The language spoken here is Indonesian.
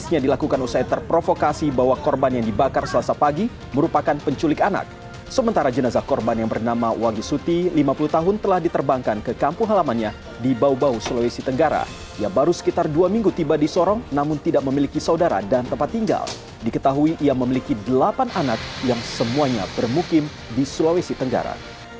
yang tempat tinggal diketahui ia memiliki delapan anak yang semuanya bermukim di sulawesi tenggara